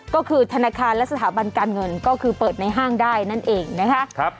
ก็คือธนาคารและสถาบันการเงินก็คือเปิดในห้างได้นั่นเองนะคะ